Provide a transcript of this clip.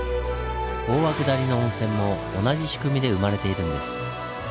大涌谷の温泉も同じ仕組みで生まれているんです。